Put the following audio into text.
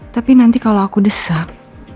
tapi nanti kalau aku desak